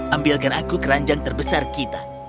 ambilkan aku keranjang terbesar kita